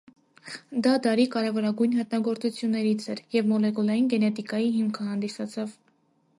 Դա դարի կարևորագույն հայտնագործություններից էր և մոլեկուլային գենետիկայի հիմքը հանդիսացավ։